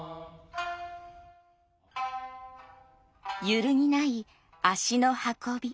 揺るぎない足の運び。